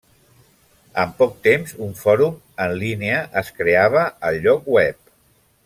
En poc temps, un fòrum en línia es creava al lloc web.